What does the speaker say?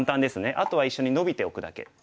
あとは一緒にノビておくだけ。